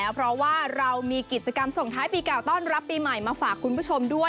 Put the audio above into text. เพราะว่าเรามีกิจกรรมส่งท้ายปีเก่าต้อนรับปีใหม่มาฝากคุณผู้ชมด้วย